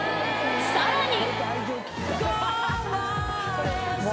［さらに］